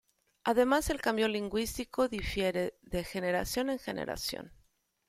Además el cambio lingüístico difiere de generación en generación.